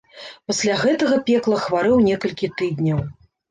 Пасля гэтага пекла хварэў некалькі тыдняў.